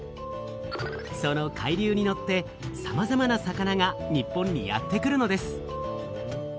その海流に乗ってさまざまな魚が日本にやって来るのです。